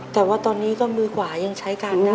แต่ว่าตอนนี้ก็มือขวายังใช้กันนะ